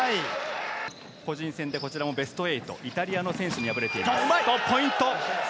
個人戦でこちらもベスト８、イタリアの選手に敗れています。